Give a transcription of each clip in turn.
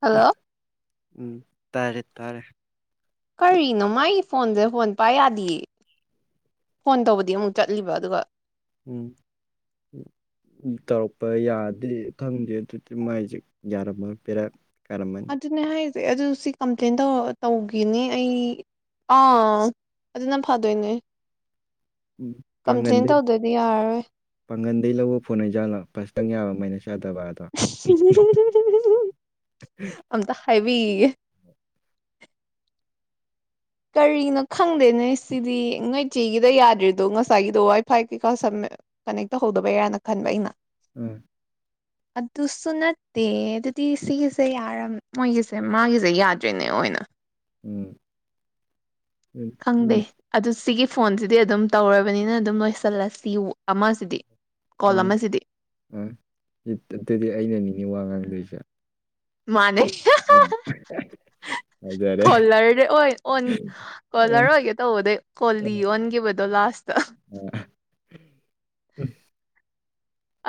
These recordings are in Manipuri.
ꯍꯜꯂꯣ ꯎꯝ ꯇꯥꯔꯦ ꯇꯥꯔꯦ ꯀꯔꯤꯅꯣ ꯃꯥꯒꯤ ꯐꯣꯟꯁꯦ ꯐꯣꯟ ꯄꯥꯏ ꯌꯥꯗꯤꯌꯦ ꯐꯣꯟ ꯇꯧꯕꯗꯤ ꯑꯃꯨꯛ ꯆꯠꯂꯤꯕ ꯑꯗꯨꯒ ꯎꯝ ꯎꯝ ꯇꯧꯔꯛꯄ ꯌꯥꯗꯦ ꯈꯪꯗꯦ ꯑꯗꯨꯗꯤ ꯃꯥꯏꯁꯦ ꯌꯥꯔꯝꯃꯔꯣꯢ ꯄꯦꯔ ꯀꯔꯝꯃꯥꯅꯤ ꯑꯗꯨꯅꯦ ꯍꯥꯏꯁꯦ ꯑꯗꯨ ꯁꯤ ꯀꯝꯄ꯭ꯂꯦꯟ ꯇꯧ ꯇꯧꯈꯤꯅꯤ ꯑꯩ ꯑꯥ ꯑꯗꯨꯅ ꯐꯗꯣꯏꯅꯦ ꯎꯝ ꯀꯝꯄ꯭ꯂꯦꯟ ꯄꯪꯒꯟꯗꯤ ꯇꯧꯗ꯭ꯔꯗꯤ ꯌꯥꯔꯔꯣꯏ ꯄꯥꯡꯒꯟꯗꯩ ꯂꯧꯕ ꯐꯣꯟ ꯑꯣꯢꯖꯥꯠꯂ ꯄꯥꯔꯁꯇꯪ ꯌꯥꯕ ꯃꯥꯏꯅꯥꯢ ꯌꯥꯗꯕ [unintelligible] ꯑꯝꯇ ꯍꯥꯏꯕꯤꯒꯤꯒꯦ ꯀꯔꯤꯅꯣ ꯈꯪꯗꯦꯅꯦ ꯁꯤꯗꯤ ꯅꯣꯏꯆꯦꯒꯤꯗꯣ ꯌꯥꯗ꯭ꯔꯤꯗꯣ ꯉꯁꯥꯏꯒꯤꯗꯣ ꯋꯥꯏ ꯐꯥꯏ ꯀꯩꯀꯥ ꯀꯥꯅꯦꯛ ꯇꯧꯍꯧꯗꯕꯩꯔꯅ ꯈꯟꯕ ꯑꯩꯅ ꯎꯝ [inaudible] ꯑꯗꯨꯁꯨ ꯅꯠꯇꯦ ꯑꯗꯨꯗꯤ ꯁꯤꯒꯤꯁꯦ ꯌꯥꯝꯔꯝ ꯃꯣꯏꯒꯤꯁꯦ ꯃꯥꯒꯤꯁꯦ ꯌꯥꯗ꯭ꯔꯤꯅꯦ ꯑꯣꯏꯅ ꯎꯝ ꯎꯝ ꯈꯪꯗꯦ ꯎꯝ ꯑꯗꯨ ꯁꯤꯒꯤ ꯐꯣꯟꯁꯤꯗꯤ ꯑꯗꯨꯝ ꯇꯧꯔꯕꯅꯤꯅ ꯑꯗꯨꯝ ꯂꯣꯏꯁꯤꯜꯂꯁꯤ ꯑꯃꯁꯤꯗꯤ ꯀꯣꯜ ꯑꯥ ꯑꯃꯁꯤꯗꯤ ꯑꯥ ꯑꯗꯨꯗꯤ ꯑꯩꯅ ꯅꯤꯅꯦ ꯋꯥ ꯉꯥꯡꯗꯣꯏꯁꯦ ꯃꯥꯅꯦ ꯎꯝ [unintelligible] ꯀꯣꯂꯔꯗꯤ ꯑꯣꯢ ꯑꯣꯟ ꯀꯣꯂꯔ ꯑꯣꯏꯒꯦ ꯇꯧꯕꯗꯩ ꯀꯣꯂꯤ ꯑꯣꯟꯈꯤꯕꯗꯣ ꯂꯥꯁꯇ ꯑꯣ [unintelligible]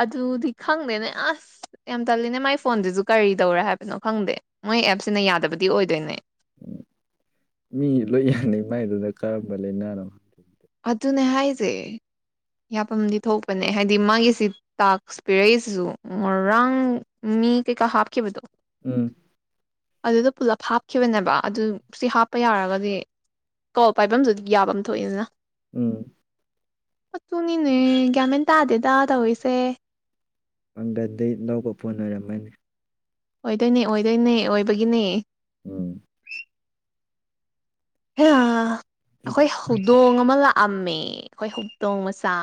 ꯑꯗꯨꯗꯤ ꯈꯪꯗꯦꯅꯦ ꯑꯁ ꯌꯥꯝ ꯇꯜꯂꯤꯅꯦ ꯃꯥꯏ ꯐꯣꯟꯁꯤꯁꯨ ꯀꯔꯤ ꯇꯧꯔꯦ ꯍꯥꯏꯕꯅꯣ ꯈꯪꯗꯦ ꯃꯣꯏ ꯑꯦꯞꯁꯤꯅ ꯌꯥꯗꯕꯗꯤ ꯑꯣꯏꯗꯣꯏꯅꯦ ꯎꯝ ꯃꯤ ꯂꯣꯏ ꯌꯥꯅꯩ ꯃꯥꯏꯗꯨꯅ ꯀꯔꯝꯕ ꯂꯩꯥꯅꯥꯅꯣ ꯑꯗꯨꯅꯦ ꯍꯥꯏꯁꯦ ꯌꯥꯐꯝꯗꯤ ꯊꯣꯛꯄꯅꯦ ꯍꯥꯏꯗꯤ ꯃꯥꯒꯤꯁꯤ ꯇꯥꯢꯛ ꯑꯦꯛꯁꯄꯤꯔꯁꯁꯨ ꯉꯔꯥꯡ ꯃꯤ ꯀꯩꯀꯥ ꯍꯥꯞꯈꯤꯕꯗꯣ ꯎꯝ ꯑꯗꯨꯗ ꯄꯨꯂꯞ ꯍꯥꯞꯈꯤꯕꯅꯦꯕ ꯑꯗꯨ ꯁꯤ ꯍꯥꯞꯄ ꯌꯥꯔꯒꯗꯤ ꯀꯣꯜ ꯄꯥꯏꯐꯝꯗꯨꯗꯤ ꯌꯥꯕꯝ ꯊꯣꯛꯏꯗꯅ ꯎꯝ ꯑꯗꯨꯅꯤꯅꯦ ꯒ꯭ꯌꯥꯃꯦꯟ ꯇꯥꯗꯦꯗ ꯇꯧꯔꯤꯁꯦ ꯄꯪꯒꯥꯜꯗꯩ ꯂꯧꯕ ꯐꯣꯟ ꯑꯣꯢꯔꯝꯃꯅꯤ ꯑꯣꯏꯗꯣꯏꯅꯦ ꯑꯣꯏꯗꯣꯏꯅꯦ ꯑꯣꯏꯕꯒꯤꯅꯦ ꯎꯝ ꯍꯩꯃꯥ ꯑꯩꯈꯣꯏ ꯍꯧꯗꯣꯡ ꯑꯃ ꯂꯥꯛꯑꯝꯃꯦ ꯑꯩꯈꯣꯏ ꯍꯧꯗꯣꯡ ꯃꯆꯥ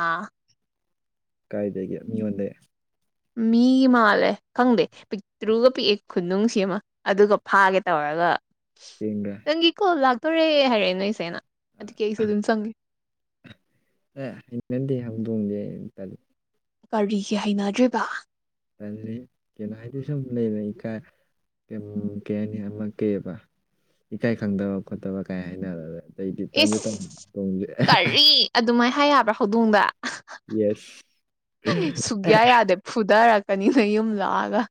ꯀꯥꯏꯗꯒꯤ ꯃꯤꯉꯣꯟꯗꯩ ꯃꯤꯒꯤ ꯃꯥꯜꯂꯦ ꯈꯪꯗꯦ ꯄꯤꯛꯇ꯭ꯔꯨꯒ ꯄꯤꯛꯑꯦ ꯈꯨꯅꯨꯡꯁꯤꯃ ꯑꯗꯨꯒ ꯐꯥꯒꯦ ꯇꯧꯔꯒ ꯆꯦꯡꯒ꯭ꯔꯦ ꯅꯪꯒꯤ ꯀꯣꯜ ꯂꯥꯛꯇꯣꯔꯦ ꯍꯥꯏꯔꯛꯑꯦ ꯅꯣꯏꯆꯦꯅ ꯑꯗꯨꯒꯤ ꯑꯩꯁꯨ ꯑꯗꯨꯝ ꯆꯪꯉꯦ ꯑ ꯍꯩꯅꯗꯦ ꯍꯧꯗꯣꯛꯁꯦ ꯇꯥꯜꯂꯤ ꯀꯔꯤꯒꯤ ꯍꯩꯅꯗ꯭ꯔꯤꯕ ꯇꯜꯂꯤ ꯀꯩꯅꯣ ꯍꯥꯏꯗꯤ ꯁꯨꯝ ꯂꯩꯗꯅ ꯢꯀꯥꯢ ꯀꯩꯝ ꯀꯩ ꯍꯥꯏꯅꯤ ꯑꯃ ꯀꯩꯑꯕ ꯏꯀꯥꯏ ꯈꯪꯗꯕ ꯈꯣꯠꯇꯕ ꯀꯥꯏ ꯍꯥꯏꯅꯔ ꯑꯩꯗꯤ [unintelligible] ꯑꯗꯨꯃꯥꯏ ꯍꯥꯏ ꯌꯥꯕ꯭ꯔꯥ ꯍꯧꯗꯣꯡꯗ ꯌꯦꯁ ꯐꯨꯗꯔꯛꯀꯅꯤ ꯅꯌꯨꯝ ꯂꯥꯛꯑꯒ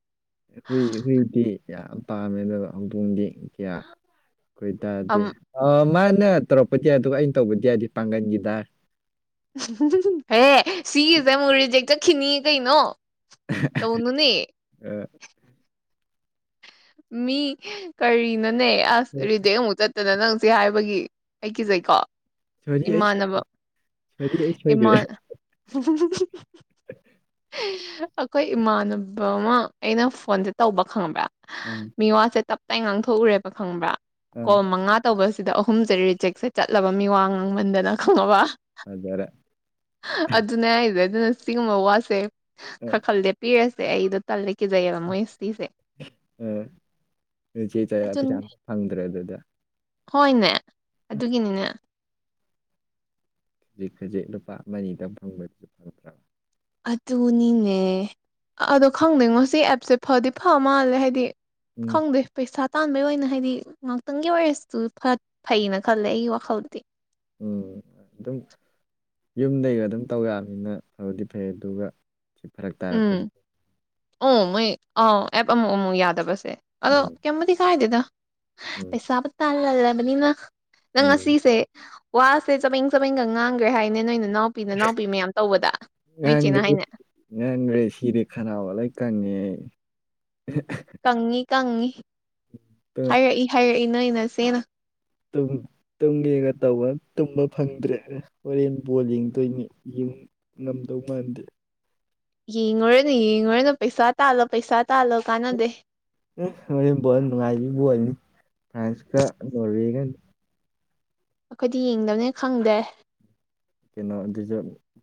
ꯍꯨꯏ ꯍꯨꯏꯗꯤ ꯌꯥꯝ ꯄꯥꯝꯃꯦ ꯑꯗꯨꯒ ꯍꯧꯗꯣꯡꯗꯤ ꯀꯌꯥ ꯈꯣꯢꯗꯥꯗꯦ ꯑꯝ ꯑ ꯃꯥꯅ ꯇꯧꯔꯛꯄꯗꯤ ꯌꯥ ꯑꯗꯨꯒ ꯑꯩꯅ ꯇꯧꯕꯗꯤ ꯌꯥꯗꯤ ꯄꯥꯡꯒꯟꯒꯤꯗ ꯍꯦ ꯁꯤꯒꯤꯁꯦ ꯑꯃꯨꯛ ꯔꯤꯖꯦꯛ ꯆꯠꯈꯤꯅꯤꯌꯦ ꯀꯩꯅꯣ ꯇꯧꯅꯨꯅꯦ ꯑ ꯃꯤ ꯀꯔꯤꯅꯣꯅꯦ ꯑꯁ ꯔꯤꯗꯤꯦꯛ ꯑꯃꯨꯛ ꯆꯠꯇꯅ ꯅꯪ ꯁꯤ ꯍꯥꯏꯕꯒꯤ ꯑꯩ ꯀꯤꯖꯩꯀꯣ ꯁꯣꯔꯤ ꯑꯩ ꯁꯣꯏ ꯏꯃꯥꯟꯅꯕ ꯁꯣꯔꯤ ꯑꯩ ꯁꯣꯏꯈ꯭ꯔꯦ ꯏꯃꯥꯟ [inaudible] ꯑꯩꯈꯣꯏ ꯏꯃꯥꯟꯅꯕ ꯑꯃ ꯑꯩꯅ ꯐꯣꯟꯁꯦ ꯇꯧꯕ ꯈꯪꯉꯕ꯭ꯔꯥ ꯎꯝ ꯃꯤꯋꯥꯁꯦ ꯇꯞꯇ ꯉꯥꯡꯊꯣꯛꯎꯔꯦꯕ ꯈꯪꯕ꯭ꯔꯥ ꯑ ꯀꯣꯜ ꯃꯉꯥ ꯇꯧꯕꯁꯤꯗ ꯑꯍꯨꯝꯖꯦ ꯔꯤꯖꯦꯛꯁꯦ ꯆꯠꯂꯕ ꯃꯤ ꯋꯥ ꯉꯥꯡꯃꯟꯗꯅ ꯈꯪꯉꯕ ꯐꯖꯔꯦ ꯑꯗꯨꯅꯦ ꯍꯥꯢꯖꯦ ꯑꯗꯨꯅ ꯁꯤꯒꯨꯝꯕ ꯋꯥꯁꯦ ꯎꯝ ꯈꯔ ꯈ ꯂꯦꯞꯄꯤꯔꯁꯦ ꯑꯩꯗꯣ ꯇꯜꯂꯦ ꯀꯤꯖꯩꯑꯕ ꯃꯣꯏ ꯁꯤꯁꯦ ꯑ ꯔꯤꯖꯦꯛ ꯆꯠꯂ ꯑꯗꯨꯅꯦ ꯄꯩꯁꯥ ꯑꯝꯇ ꯐꯪꯗ꯭ꯔꯦ ꯑꯗꯨꯗꯤ ꯍꯣꯏꯅꯦ ꯑꯗꯨꯒꯤꯅꯤꯅꯦ ꯈꯖꯤꯛ ꯈꯖꯤꯛ ꯂꯨꯄꯥ ꯑꯃ ꯅꯤꯗꯪ ꯐꯪꯕꯗꯨꯁꯨ ꯐꯪꯗ꯭ꯔꯥꯕ ꯑꯗꯨꯅꯤꯅꯦ ꯑꯗꯣ ꯈꯪꯗꯣꯏꯉꯣ ꯁꯤ ꯑꯦꯞꯁꯦ ꯐꯗꯤ ꯐ ꯃꯥꯜꯂꯦ ꯍꯥꯏꯗꯤ ꯎꯝ ꯈꯪꯗꯦ ꯄꯩꯁꯥ ꯇꯥꯟꯕꯩ ꯑꯣꯏꯅ ꯍꯥꯏꯗꯤ ꯉꯥꯛꯇꯪꯒꯤ ꯑꯣꯏꯔꯁꯨ ꯐꯩꯅ ꯈꯜꯂꯦ ꯑꯩꯒꯤ ꯋꯥꯈꯜꯗꯗꯤ ꯎꯝ ꯑꯗꯨꯝ ꯌꯨꯝꯗꯩꯒ ꯑꯗꯨꯝ ꯇꯧ ꯌꯥꯝꯅꯤꯅ ꯐꯕꯗꯤ ꯐꯩ ꯑꯗꯨꯒ ꯁꯤ ꯐꯔꯛ ꯎꯝ ꯇꯥꯔꯛꯄꯁꯤ ꯑꯣ ꯃꯣꯏ ꯑꯥꯎ ꯑꯦꯞ ꯑꯃꯨꯛ ꯑꯃꯨꯛ ꯌꯥꯗꯕꯁꯦ ꯑꯗꯣ ꯎꯝ ꯀꯩꯝꯕꯨꯗꯤ ꯀꯥꯏꯗꯦꯗ ꯎꯝ ꯄꯩꯁꯥꯕꯨ ꯇꯥꯜꯂꯜꯂꯕꯅꯤꯅ ꯅꯪ ꯎꯝ ꯉꯁꯤꯁꯦ ꯋꯥꯁꯦ ꯆꯕꯦꯡ ꯆꯕꯦꯡꯒ ꯉꯥꯡꯒ꯭ꯔꯦ ꯍꯥꯏꯅꯦ ꯅꯣꯏ ꯅꯅꯥꯎ ꯄꯤ ꯅꯅꯥꯎꯄꯤ ꯃꯌꯥꯝ ꯇꯧꯕꯗ ꯅꯣꯏ ꯏꯆꯦꯅ ꯍꯥꯏꯅꯦ ꯉꯪꯒ꯭ꯔꯦ ꯁꯤꯔꯦ ꯈꯅꯥꯎꯒ ꯂꯣꯢ ꯀꯪꯉꯦ ꯑꯩ ꯀꯪꯉꯤ ꯀꯪꯉꯤ ꯍꯥꯏꯔꯛꯏ ꯍꯥꯏꯔꯛꯏ ꯅꯣꯢ ꯅꯆꯦꯅ ꯇꯨꯝ ꯇꯨꯝꯒꯦꯒ ꯇꯧꯕ ꯇꯨꯝꯕ ꯐꯪꯗ꯭ꯔꯦ ꯍꯣꯔꯦꯟ ꯕꯣꯜ ꯌꯦꯡꯗꯣꯏꯅꯤ ꯌꯨꯝ ꯉꯝꯗꯧ ꯃꯥꯟꯗꯦ ꯌꯦꯡꯉꯨꯔꯅꯨ ꯌꯦꯡꯉꯨꯔꯅꯨ ꯄꯩꯁꯥ ꯇꯥꯜꯂꯣ ꯄꯩꯁꯥ ꯇꯥꯜꯂꯣ ꯀꯥꯟꯅꯗꯦ ꯑꯦ ꯍꯣꯔꯦꯟ ꯕꯣꯜ ꯅꯨꯡꯉꯥꯏꯕꯤ ꯕꯣꯜꯅꯤ ꯐ꯭ꯔꯥꯟꯁꯀ ꯅꯣꯔꯋꯦꯒꯅꯤ ꯑꯩꯈꯣꯏꯗꯤ ꯌꯦꯡꯗꯝꯅꯤꯅ ꯈꯪꯗꯦ ꯀꯩꯅꯣ ꯑꯗꯨꯖꯨ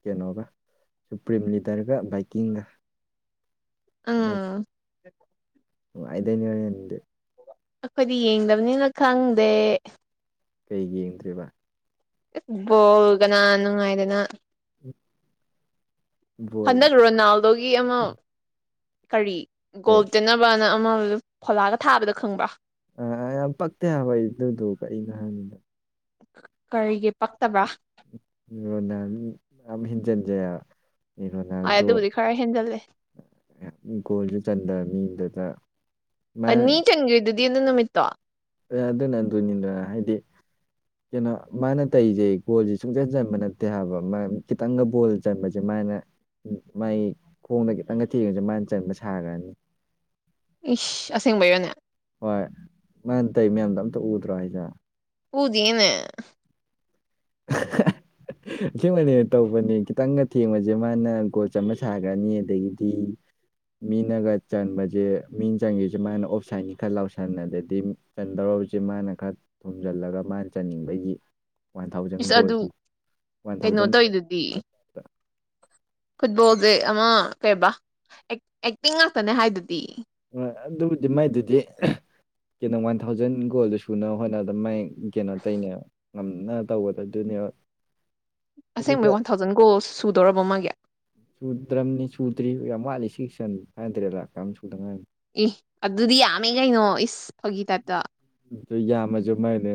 ꯀꯩꯅꯣꯒ ꯁꯨꯄ꯭ꯔꯤꯝ ꯂꯤꯗꯔꯒ ꯕꯥꯏꯛꯀꯤꯡꯒ ꯈꯠꯅ ꯑꯥ ꯅꯨꯡꯉꯥꯏꯗꯣꯏꯅꯤ ꯍꯨꯔꯦꯟꯗꯤ ꯑꯈꯣꯏꯗꯤ ꯌꯦꯡꯗꯕꯅꯤꯅ ꯈꯪꯗꯦ ꯀꯩꯒꯤ ꯌꯦꯡꯗ꯭ꯔꯤꯕ ꯕꯣꯜ ꯀꯅꯥ ꯅꯨꯡꯉꯥꯏꯗꯅ [inaudible] ꯕꯣꯜ ꯍꯟꯗꯛ ꯔꯣꯅꯥꯜꯗꯣꯒꯤ ꯑꯃ ꯀꯔꯤ ꯀꯩ ꯒꯣꯜꯇꯦꯅꯝ ꯕꯅ ꯑꯃ ꯐꯣꯂꯥꯒ ꯊꯥꯕꯗꯣ ꯈꯪꯕ꯭ꯔꯥ ꯑ ꯌꯥꯝ ꯄꯛꯇꯦ ꯍꯥꯏꯕ ꯑꯩ ꯑꯗꯨꯗꯣ ꯀꯔꯤꯅꯣ ꯍꯥꯏꯝꯅꯤꯗ ꯀꯔꯤꯒꯤ ꯄꯛꯇꯕꯥ ꯎꯝ ꯔꯣꯅꯥꯟ ꯌꯥꯝ ꯍꯦꯟꯖꯟꯖꯩ ꯍꯥꯏꯕ ꯃꯤ ꯍꯣꯏ ꯔꯣꯅꯥꯜꯗꯣ ꯑꯗꯨꯕꯨꯗꯤ ꯈꯔ ꯍꯦꯟꯖꯜꯂꯦ ꯒꯣꯜꯁꯨ ꯆꯟꯗꯕ ꯃꯤꯗꯨꯗ ꯃꯥꯅ ꯑꯅꯤ ꯆꯟꯒ꯭ꯔꯤꯗꯨꯗꯤ ꯑꯗꯨ ꯅꯨꯃꯤꯠꯇꯣ ꯑꯦ ꯑꯗꯨꯅ ꯑꯗꯨꯅꯤꯗꯅ ꯍꯥꯏꯗꯤ ꯀꯩꯅꯣ ꯃꯥꯅ ꯇꯩꯖꯦ ꯒꯣꯜꯁꯦ ꯁꯨꯡꯆꯟ ꯆꯟꯕ ꯅꯠꯇꯦ ꯍꯥꯏꯕ ꯃꯔ ꯈꯤꯇꯪꯒ ꯕꯣꯜ ꯆꯟꯕꯁꯦ ꯃꯥꯅ ꯃꯥꯏ ꯈꯣꯡꯗ ꯈꯤꯇꯪꯒ ꯊꯦꯡꯕꯁꯦ ꯃꯥꯟ ꯆꯟꯕ ꯁꯥꯒ꯭ꯔꯅꯤ ꯏꯁ ꯑꯁꯦꯡꯕꯩꯔꯅꯦ ꯍꯣꯏ ꯃꯥꯟ ꯇꯩ ꯃꯌꯥꯝꯗꯣ ꯑꯝꯇ ꯎꯗ꯭ꯔꯣ ꯍꯥꯏꯁꯦ ꯎꯗꯤꯌꯦꯅꯦ [unintelligible] ꯑꯁꯦꯡꯕꯩꯅꯦ ꯇꯧꯕꯅꯦ ꯈꯤꯇꯪꯒ ꯊꯦꯡꯕꯁꯦ ꯃꯥꯅ ꯒꯣꯜ ꯆꯟꯕ ꯁꯥꯒ꯭ꯔꯅꯤ ꯑꯗꯩꯗꯤ ꯃꯤꯅꯒ ꯆꯟꯕꯖꯦ ꯃꯤꯟꯆꯟꯒꯤꯕꯖꯦ ꯃꯥꯅ ꯑꯣꯞꯁꯥꯏꯟꯅꯤ ꯈꯔ ꯂꯥꯎꯁꯟ ꯑꯗꯗꯤ ꯆꯟꯗꯧꯔꯕꯁꯦ ꯃꯥꯅ ꯈꯔ ꯊꯣꯝꯖꯜꯂꯒ ꯃꯥꯅ ꯆꯟꯅꯤꯡꯕꯒꯤ ꯋꯥꯟ ꯊꯥꯎꯖꯟ ꯏꯁ ꯑꯗꯨ ꯒꯣꯜꯒꯤ ꯋꯥꯟ ꯀꯩꯅꯣ ꯊꯥꯎꯖꯟ ꯒꯣꯜ ꯇꯧꯋꯤꯗꯨꯗꯤ ꯐꯨꯠꯕꯣꯜꯖꯦ ꯑꯃ ꯀꯩꯕ ꯑꯦꯛ ꯑꯦꯛꯇꯤꯡ ꯉꯥꯛꯇꯅꯦ ꯍꯥꯏꯗꯨꯗꯤ ꯑꯦ ꯑꯗꯨꯕꯨꯗꯤ ꯃꯥꯏꯗꯨꯗꯤ ꯀꯩꯅꯣ ꯋꯥꯟ ꯊꯥꯎꯖꯟ ꯒꯣꯜꯗꯣ ꯁꯨꯅꯕ ꯍꯣꯠꯅꯕꯗ ꯃꯥꯏ ꯀꯩꯅꯣ ꯇꯩꯅꯦ ꯉꯝꯅ ꯇꯧꯕꯗ ꯑꯗꯨꯅꯦꯕ ꯑꯁꯦꯡꯕꯩ ꯑꯗꯨꯗ ꯋꯥꯟ ꯊꯥꯎꯖꯟ ꯒꯣꯜ ꯁꯨꯗꯧꯔꯕꯣ ꯃꯥꯒꯤ ꯁꯨꯗ꯭ꯔꯝꯅꯤ ꯁꯨꯗ꯭ꯔꯤ ꯌꯥꯝ ꯋꯥꯠꯂꯤ ꯁꯤꯛꯍꯟ ꯐꯥꯏꯞ ꯍꯟꯗ꯭ꯔꯦꯠꯂꯥ ꯀꯌꯥꯅꯣꯝ ꯁꯨꯗ ꯉꯥꯏ ꯏ ꯑꯗꯨꯗꯤ ꯌꯥꯝꯃꯦ ꯀꯩꯅꯣ ꯏꯁ ꯐꯒꯤ ꯇꯥꯏꯞꯇ ꯌꯥꯝꯃꯖꯨ ꯃꯥꯏꯗ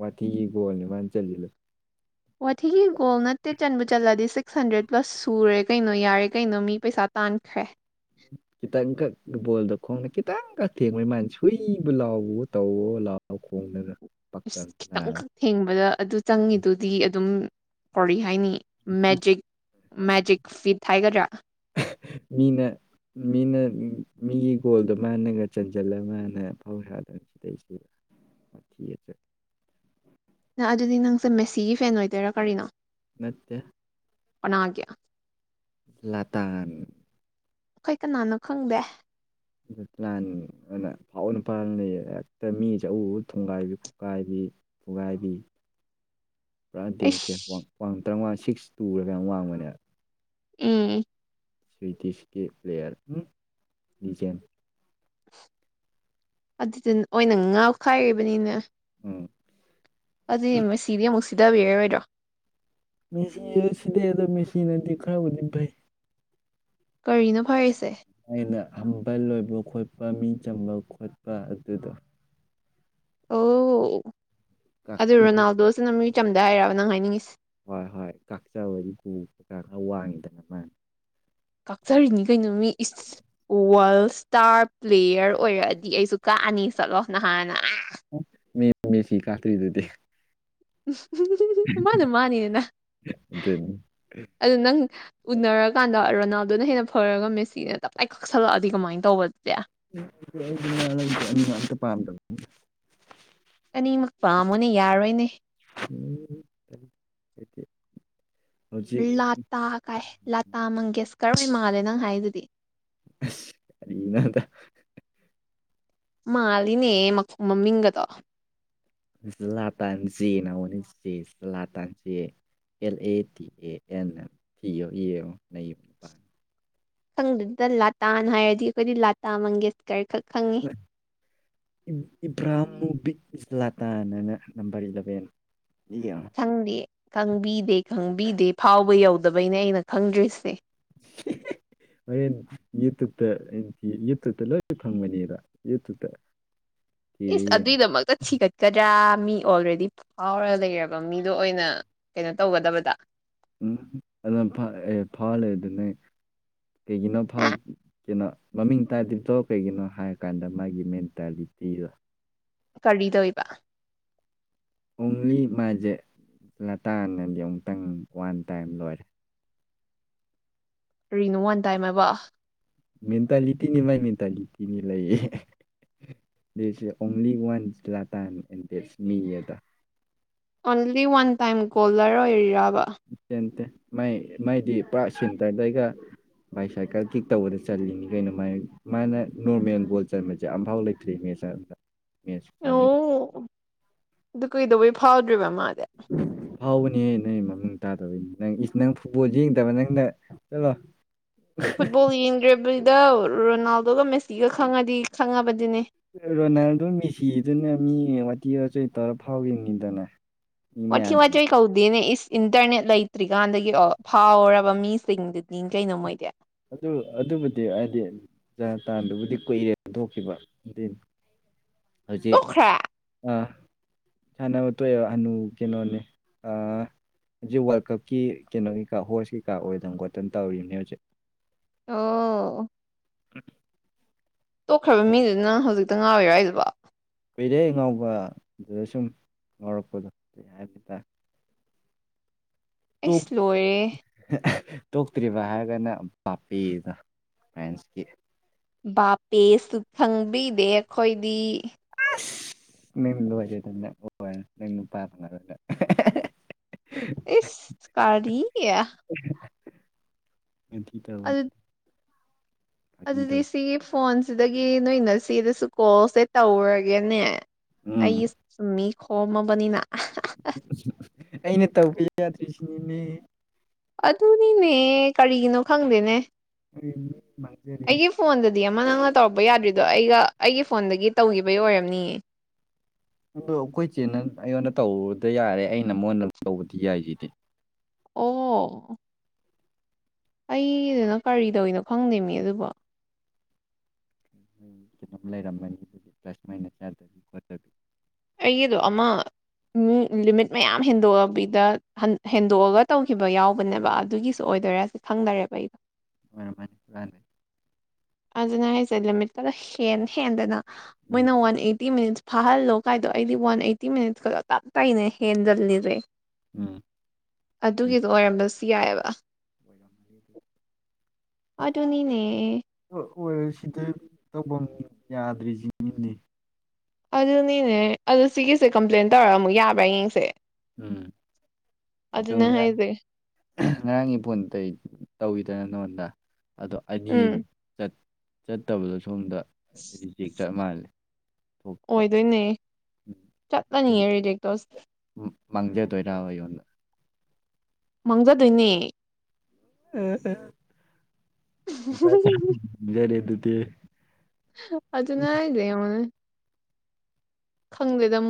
ꯋꯥꯊꯤꯒꯤ ꯒꯣꯜꯅꯦ ꯃꯥꯟ ꯆꯜꯂꯤꯗꯣ ꯋꯥꯊꯤꯒꯤ ꯒꯣꯜ ꯅꯠꯇꯦ ꯆꯟꯕꯨ ꯆꯠꯂꯗꯤ ꯁꯤꯛꯁ ꯍꯟꯗ꯭ꯔꯦꯠ ꯄ꯭ꯂꯁ ꯁꯨꯔꯦ ꯀꯩꯅꯣ ꯌꯥꯔꯦ ꯀꯩꯅꯣ ꯃꯤ ꯄꯩꯁꯥ ꯇꯥꯟꯈ꯭ꯔꯦ ꯈꯤꯇꯪꯈꯛ ꯕꯣꯜꯗ ꯈꯣꯡꯅ ꯈꯤꯇꯪꯈꯛ ꯊꯦꯡꯕꯩ ꯃꯥꯅ ꯁꯨꯏꯕꯨ ꯂꯥꯎꯕꯋꯣ ꯇꯧ ꯂꯥꯎ ꯂꯥꯎ ꯈꯣꯡꯗꯅ ꯑꯁ ꯄꯛꯇꯝ ꯅꯥꯔꯦ ꯈꯤꯇꯪꯈꯛ ꯊꯦꯡꯕꯗ ꯑꯗꯨ ꯆꯪꯉꯤꯗꯨꯗꯤ ꯑꯗꯨꯝ ꯀꯣꯔꯤ ꯍꯥꯏꯅꯤ ꯃꯦꯖꯤꯛ ꯃꯦꯖꯤꯛ ꯐꯤꯠ ꯍꯥꯏꯒꯗ꯭ꯔꯥ ꯃꯤꯅ ꯃꯤꯅ ꯃꯤꯒꯤ ꯒꯣꯜꯗꯣ ꯃꯥꯅꯒ ꯆꯟꯖꯜꯂ ꯃꯥꯅ ꯑꯐꯥꯎꯁꯥꯗꯅ ꯁꯤꯗꯩꯁꯤ ꯋꯥꯊꯤ ꯑꯆ [unintelligible] ꯅ ꯑꯗꯨꯗꯤ ꯅꯪꯁꯦ ꯃꯦꯁꯤꯒꯤ ꯐꯦꯟ ꯑꯣꯏꯗꯣꯏꯔꯥ ꯀꯔꯤꯅꯣ ꯅꯠꯇꯦ ꯀꯅꯥꯒꯤ ꯂꯇꯥꯒꯤ ꯑꯩꯈꯣꯏ ꯀꯅꯥꯅꯣ ꯈꯪꯗꯦ ꯂꯇꯅꯥꯟꯑꯅ ꯑꯐꯥꯎꯕ ꯅꯨꯄꯥ ꯑꯝ ꯂꯩꯌꯦ ꯍꯦꯛꯇ ꯃꯤꯁꯦ ꯑꯎ ꯑꯎ ꯊꯣꯡꯒꯥꯏꯕꯤ ꯈꯨꯠꯀꯥꯏꯕꯤ ꯐꯨꯒꯥꯏꯕꯤ [inaudible] ꯄꯨꯔꯥ ꯗꯦꯝꯀ꯭ꯌꯔ ꯏꯁ ꯋꯥ ꯇꯔꯥ ꯁꯤꯛꯁ ꯇꯨꯔ ꯀꯌꯥꯝꯅꯣꯝ ꯋꯥꯡꯕꯅꯦꯕ ꯎꯝ ꯁ꯭ꯋꯤꯗꯤꯁꯀꯤ ꯄ꯭ꯂꯦꯌꯔ ꯎ ꯂꯤꯖꯦꯟ ꯑꯗꯨꯗꯅ ꯑꯣꯏꯅ ꯉꯥꯎꯈꯥꯏꯔꯤꯕꯅꯤꯅꯦ ꯎꯝ ꯑꯗꯨꯗꯤ ꯃꯦꯁꯤꯗꯤ ꯑꯃꯨꯛ ꯁꯤꯗꯕꯤꯔꯔꯣꯏꯗ꯭ꯔꯣ ꯃꯦꯁꯤꯁꯨ ꯁꯤꯗꯩ ꯑꯗꯣ ꯃꯦꯁꯤꯅꯗꯤ ꯈꯔꯕꯨꯗꯤ ꯐꯩ ꯀꯔꯤꯅꯣ ꯐꯔꯤꯁꯦ ꯑꯩꯅ ꯍꯝꯕꯜ ꯑꯣꯏꯕ ꯈꯣꯠꯄ ꯃꯤ ꯆꯝꯕ ꯈꯣꯠꯄ ꯑꯗꯨꯗꯣ ꯑꯣ ꯑꯗꯨ ꯀꯥꯛꯆꯤ ꯔꯣꯅꯥꯜꯗꯣꯁꯤꯅ ꯃꯤ ꯆꯝꯗꯦ ꯍꯥꯏꯔꯕ ꯅꯪ ꯍꯥꯏꯅꯤꯡꯉꯤꯁꯦ ꯍꯣꯏ ꯍꯣꯏ ꯀꯥꯛꯆꯕ ꯍꯒꯨ ꯀꯩꯀꯥ ꯈꯔ ꯋꯥꯡꯉꯤꯗꯅ ꯃꯥꯅ ꯀꯛꯆꯔꯤꯅꯤ ꯀꯩꯅꯣ ꯃꯤ ꯏꯁ ꯋꯥꯔꯜ ꯏꯁꯇꯥꯔ ꯄ꯭ꯂꯦꯌꯔ ꯑꯣꯏꯔꯛꯑꯗꯤ ꯑꯩꯁꯨ ꯀꯛꯑꯅꯤ ꯆꯠꯂꯣ ꯅꯍꯥꯟꯅ ꯃꯤ ꯃꯦꯁꯤ ꯀꯥꯛꯇ꯭ꯔꯤꯗꯨꯗꯤ ꯃꯥꯅ ꯃꯥꯅꯤꯗꯅ ꯑꯗꯨꯅꯤ ꯑꯗꯨ ꯅꯪ ꯎꯅꯔꯀꯥꯟꯗ ꯔꯣꯅꯥꯜꯗꯣꯅ ꯍꯦꯟꯅ ꯐꯔꯒ ꯃꯦꯁꯤꯅ ꯇꯞꯇꯥꯏ ꯀꯛꯁꯜꯂꯛꯑꯗꯤ ꯀꯃꯥꯏꯅ ꯇꯧꯕ ꯑꯗꯨꯗꯤ [unintelligible] ꯑꯅꯤꯃꯛ ꯄꯥꯝꯃꯣꯅꯦ ꯌꯥꯔꯣꯏꯅꯦ [unintelligible] ꯍꯧꯖꯤꯛ ꯂꯥꯇꯥ ꯀꯥꯏ ꯂꯥꯇꯥ ꯃꯪꯒꯦꯁꯀꯔꯝ ꯍꯣꯢ ꯃꯥꯜꯂꯦ ꯅꯪ ꯍꯥꯏꯗꯨꯗꯤ ꯑꯁ ꯀꯩꯅꯣꯗ ꯃꯥꯜꯂꯤꯅꯦ ꯃꯃꯤꯡꯒꯗꯣ ꯂꯥꯇꯥꯟꯖꯦꯅꯥ ꯍꯧꯕꯅꯤ ꯂꯥꯇꯥꯟ J L A T A N ꯑꯦ ꯊꯤꯣ ꯌꯦꯡꯉꯣ ꯅꯩꯕ ꯅꯤꯄꯥꯅꯤ ꯈꯪꯗꯦꯗ ꯂꯥꯇꯥꯟ ꯍꯥꯏꯔꯗꯤ ꯑꯩꯈꯣꯏꯗꯤ ꯂꯥꯇꯥ ꯃꯪꯒꯦꯁꯀꯔ ꯈꯛ ꯈꯪꯉꯤ ꯏꯕ꯭ꯔꯥꯍꯝ ꯃꯨꯕꯤ ꯏꯁꯂꯥꯇꯥꯅꯅ ꯅꯝꯕꯔ ꯏꯂꯚꯦꯟ ꯌꯦꯡꯉꯣ ꯈꯪꯗꯦ ꯈꯪꯕꯤꯗꯦ ꯈꯪꯕꯤꯗꯦ ꯐꯥꯎꯕ ꯌꯧꯗꯕꯩꯩꯅ ꯑꯩꯅ ꯈꯪꯗ꯭ꯔꯤꯁꯦ [inaudible] ꯍꯅꯦ [unintelligible] ꯌꯨꯇꯨꯕꯇ ꯌꯨꯇꯨꯕꯇ ꯂꯣꯏ ꯐꯪꯕꯅꯦ ꯌꯨꯇꯨꯕꯇ ꯊꯤꯔ ꯏꯁ ꯌꯦꯡꯉꯣ ꯑꯗꯨꯏꯗꯃꯛꯇ ꯊꯤꯒꯠ ꯗ꯭ꯔꯥ ꯃꯤ ꯑꯣꯜꯔꯦꯗꯤ ꯐꯥꯎꯔ ꯂꯩꯔꯕ ꯃꯤꯗꯣ ꯑꯣꯏꯅ ꯀꯩꯅꯣ ꯇꯧꯒꯗꯕꯗ ꯎꯝ ꯑꯗꯨꯅ ꯑꯦ ꯐꯥꯂꯦ ꯑꯗꯨꯅꯦ ꯀꯩꯒꯤꯅꯣ ꯀꯩꯅꯣ ꯃꯃꯤꯡ ꯇꯥꯗ꯭ꯔꯤꯕꯗꯣ ꯀꯩꯒꯤꯅꯣ ꯍꯥꯏꯔ ꯀꯥꯟꯗ ꯃꯥꯒꯤ ꯃꯦꯟꯇꯥꯂꯤꯇꯤꯗꯣ ꯀꯔꯤꯗꯣꯏꯕ ꯑꯣꯡꯂꯤ ꯃꯥꯁꯦ ꯂꯇꯥꯅꯗꯤ ꯑꯃꯨꯛꯇꯪ ꯋꯥꯟ ꯇꯥꯏꯝ ꯂꯣꯏꯔꯦ ꯀꯔꯤꯅꯣ ꯋꯥꯟ ꯇꯥꯏꯝ ꯍꯥꯏꯕꯨ ꯃꯦꯟꯇꯂꯤꯇꯤꯅꯤ ꯃꯥꯥꯏ ꯃꯦꯟꯇꯂꯤꯇꯤꯅꯤ ꯂꯩꯌꯦ ꯗꯠꯁꯦ ꯑꯣꯡꯂꯤ ꯋꯥꯟꯁ ꯂꯥꯇꯥ ꯑꯦꯟ ꯗꯦꯁ ꯃꯤ ꯑꯗ ꯑꯣꯟꯂꯤ ꯋꯥꯟ ꯇꯥꯏꯝ ꯒꯣꯜꯂꯔ ꯑꯣꯏꯔꯤꯔꯕ ꯏꯠꯇꯦ ꯅꯠꯇꯦ ꯃꯩ ꯃꯩꯗꯤ ꯄꯨꯔꯥ ꯁꯦꯟꯇꯔꯗꯩꯒ ꯕꯥꯏ ꯁꯥꯏꯀꯜ ꯀꯤꯛ ꯇꯧꯕꯗ ꯆꯠꯂꯤꯅꯤ ꯀꯩꯅꯣ ꯃꯥꯥꯏ ꯃꯥꯅ ꯅꯣꯔꯃꯦꯜ ꯕꯣꯜ ꯆꯟꯕꯁꯦ ꯑꯝꯐꯥꯎ ꯂꯩ ꯀ꯭ꯔꯤ ꯃꯦꯁ ꯃꯦꯁ ꯁ [unintelligible] ꯑꯣ ꯑꯗꯨ ꯀꯨꯏꯗꯧꯕꯩ ꯐꯥꯎꯗ꯭ꯔꯤꯕ ꯃꯥꯗꯤ ꯍꯥꯎꯕꯅꯦꯍ ꯅꯣꯏ ꯃꯃꯤꯡ ꯇꯥꯗꯕꯅꯤ ꯅꯪ ꯅꯪ ꯐꯨꯠꯕꯣꯜꯁꯦ ꯌꯦꯡꯗꯕ ꯅꯪꯅ ꯆꯠꯂꯣ ꯐꯨꯠꯕꯣꯜ ꯌꯦꯡꯗꯕꯤꯗ ꯔꯣꯅꯥꯜꯗꯣꯒ ꯃꯦꯁꯤꯒ ꯈꯪꯉꯗꯤ ꯈꯪꯉꯕꯗꯤꯅꯦ ꯔꯣꯅꯥꯜꯗꯣ ꯃꯤꯁꯤꯗꯨꯅ ꯃꯤ ꯋꯥꯊꯤ ꯋꯥꯆꯣꯏ ꯇꯧꯔ ꯐꯥꯎꯔꯤꯅꯤꯗꯅ ꯋꯥꯊꯤ ꯋꯥꯆꯣꯏ ꯇꯧꯗꯦꯅꯦ ꯏꯁ ꯏꯟꯇꯔꯅꯦꯠ ꯂꯩꯇ꯭ꯔꯤꯀꯥꯟꯗꯒꯤ ꯑꯣ ꯐꯥꯎꯔꯕ ꯃꯤꯁꯤꯡꯗꯨꯗꯤ ꯀꯩꯅꯣ ꯃꯣꯏꯗꯤ ꯑꯗꯨ ꯑꯗꯨꯕꯨꯗꯤ ꯍꯥꯏꯗꯤ ꯖꯥ ꯇꯥꯟꯗꯨꯕꯨꯗꯤ ꯀꯨꯏꯔꯦ ꯊꯣꯛꯈꯤꯕ ꯑꯗꯨꯏꯅꯤ ꯍꯧꯖꯤꯛ ꯇꯣꯛꯈ꯭ꯔꯦ ꯑ ꯁꯥꯟꯅꯕ ꯇꯣꯛꯑꯦꯕ ꯍꯅꯨ ꯀꯩꯅꯣꯅꯤ ꯑ ꯍꯧꯖꯤꯛ ꯋꯥꯔꯜ ꯀꯞꯀꯤ ꯀꯩꯅꯣꯀꯩꯀꯥ ꯍꯣꯔꯁ ꯀꯩꯀꯥ ꯑꯣꯏꯗꯕ ꯈꯣꯠꯇꯅ ꯇꯧꯔꯤꯕꯅꯦ ꯍꯧꯖꯤꯛ ꯑꯣ [unintelligible] ꯇꯣꯛꯈ꯭ꯔꯕ ꯃꯤꯗꯨꯗ ꯅꯪ ꯍꯧꯖꯤꯛꯇ ꯉꯥꯎꯔꯤꯔꯣ ꯍꯥꯏꯁꯤꯕꯣ ꯀꯨꯏꯔꯦ ꯉꯥꯎꯕ ꯑꯗꯨꯗ ꯁꯨꯝ ꯉꯥꯎꯔꯛꯄꯗꯣ ꯀꯩ ꯍꯥꯏꯕ ꯇꯥꯔꯦ ꯑꯩꯁ ꯂꯣꯏꯔꯦ [unintelligible] ꯇꯣꯛꯇ꯭ꯔꯤꯕ ꯍꯥꯏꯔꯒꯅ ꯄꯥꯄꯤꯗꯣ ꯐ꯭ꯔꯥꯟꯁꯀꯤ ꯕꯥꯄꯦꯁꯨ ꯈꯪꯕꯤꯗꯦ ꯑꯩꯈꯣꯏꯗꯤ ꯃꯤ [unintelligible] ꯏꯁ ꯀꯔꯤꯒꯤ [unintelligible] ꯇꯧꯕꯅꯤ ꯑꯗꯨ ꯐꯥꯒꯤ ꯑꯗꯨꯗꯤ ꯇꯧ ꯁꯤꯒꯤ ꯐꯣꯟꯁꯤꯗꯒꯤ ꯅꯣꯏ ꯅꯆꯦꯗꯨꯁꯨ ꯀꯣꯜꯁꯦ ꯇꯧꯔꯒꯦꯅꯦ ꯎꯝ ꯑꯩ [unintelligible] ꯈꯣꯝꯃꯕꯅꯤꯅ ꯑꯩꯅ ꯇꯧꯕ ꯌꯥꯗ꯭ꯔꯤꯁꯤꯅꯤꯅꯦ ꯑꯗꯨꯅꯤꯅꯦ ꯀꯔꯤꯒꯤꯅꯣ ꯈꯪꯗꯦꯅꯦ [unintelligible] ꯑꯩꯒꯤ ꯐꯣꯟꯗꯗꯤ ꯑꯃ ꯅꯪꯅ ꯇꯧꯔꯛꯄ ꯌꯥꯗ꯭ꯔꯤꯗꯣ ꯑꯩꯒ ꯑꯩꯒꯤ ꯐꯣꯟꯗꯒꯤ ꯇꯧꯈꯤꯕꯩ ꯑꯣꯏꯔꯝꯅꯤꯌꯦ ꯑꯗꯣ ꯑꯩꯈꯣꯏ ꯆꯦꯅ ꯑꯩꯉꯣꯟꯗ ꯇꯧꯕꯗ ꯌꯥꯔꯦ ꯑꯩꯅ ꯃꯉꯣꯟꯗ ꯇꯧꯕꯗꯤ ꯌꯥꯏꯁꯤꯗꯤ ꯑꯣ ꯑꯩꯗꯨꯅ ꯀꯔꯤꯗꯧꯔꯤꯅꯣ ꯈꯪꯗꯦꯃꯤ ꯑꯗꯨꯕꯣ [unintelligible] ꯑꯩꯒꯤꯗꯨ ꯑꯃ [unintelligible] ꯂꯤꯃꯤꯠ ꯃꯌꯥꯝ ꯍꯦꯟꯗꯣꯛꯑꯕꯤꯗ ꯍꯟ ꯍꯦꯟꯗꯣꯛꯑꯒ ꯇꯧꯈꯤꯕ ꯌꯥꯎꯕꯅꯦꯕ ꯑꯗꯨꯒꯤꯁꯨ ꯑꯣꯏꯗꯣꯏꯔ ꯐꯪꯗꯔꯦꯕ [unintelligible] ꯑꯣꯏꯔꯝꯃꯅꯤ ꯍꯨꯔꯥꯟꯕꯩ ꯑꯗꯨꯅꯦ ꯍꯥꯏꯁꯦ ꯂꯤꯃꯤꯠꯇꯨꯗ ꯍꯦꯟ ꯍꯦꯟꯗꯅ ꯎꯝ ꯃꯣꯏꯅ ꯋꯥꯟ ꯑꯩꯠꯇꯤ ꯃꯤꯅꯤꯠ ꯐꯥꯍꯜꯂꯣ ꯀꯥꯏꯗꯣ ꯑꯩꯗꯤ ꯋꯥꯟ ꯑꯩꯠꯇꯤ ꯃꯤꯅꯠ ꯀꯗꯣ ꯇꯞ ꯇꯥꯏꯅꯤ ꯍꯦꯟꯖꯜꯂꯤꯁꯦ ꯎꯝ ꯑꯗꯨꯒꯤꯗꯣ ꯑꯣꯏꯔꯝꯕꯁꯨ ꯌꯥꯏꯑꯦꯕ ꯑꯣꯏꯔꯝꯃꯅꯤ ꯑꯗꯨꯅꯤꯅꯦ ꯑꯣꯏ ꯁꯤꯗ ꯇꯧꯐꯝ ꯌꯥꯗ꯭ꯔꯤꯁꯤꯅꯤꯅꯦ ꯑꯗꯨꯅꯤꯅꯦ ꯑꯗꯨ ꯁꯤꯒꯤꯁꯦ ꯀꯝꯄ꯭ꯂꯦꯟ ꯇꯧꯔꯒ ꯑꯃꯨꯛ ꯌꯥꯕ꯭ꯔꯥ ꯌꯦꯡꯁꯦ ꯎꯝ ꯑꯗꯨꯅ [unintelligible] ꯍꯥꯏꯁꯦ ꯉꯔꯥꯡꯒꯤ ꯐꯣꯟ ꯀꯩ ꯇꯧꯋꯤꯗꯅ ꯅꯉꯣꯟꯗ ꯑꯗꯣ ꯎꯝ ꯑꯅꯤꯑꯝ ꯆꯠꯇꯕꯗꯣ ꯁꯣꯝꯗ ꯔꯤꯖꯦꯛ ꯆꯠ ꯃꯥꯜꯂꯦ ꯊꯣꯛꯇꯦ ꯑꯣꯏꯗꯣꯏꯅꯦ ꯆꯠꯂꯅꯤꯌꯦ ꯔꯤꯖꯦꯛꯇꯣꯁ ꯎꯝ ꯃꯥꯡꯖꯗꯣꯏꯔꯕ ꯑꯩꯉꯣꯟꯗ ꯃꯥꯡꯖꯗꯣꯏꯅꯦ [unintelligible] ꯑꯗꯨꯅ ꯍꯥꯏꯁꯦ ꯌꯦꯡꯉꯨꯅꯤ ꯈꯪꯗꯦꯗ ꯑꯃꯨꯛ